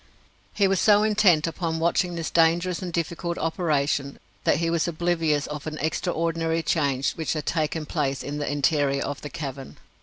He was so intent upon watching this dangerous and difficult operation that he was oblivious of an extraordinary change which had taken place in the interior of the cavern.